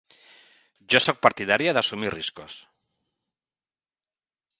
Jo sóc partidària d’assumir riscos.